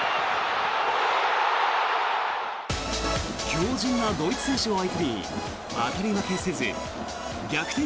強じんなドイツ選手を相手に当たり負けせず逆転